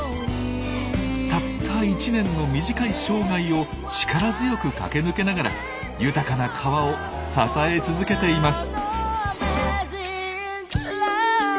たった１年の短い生涯を力強く駆け抜けながら豊かな川を支え続けています。